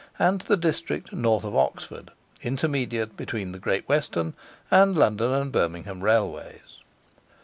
and to the district north of Oxford, intermediate between the Great Western and London and Birmingham Railways.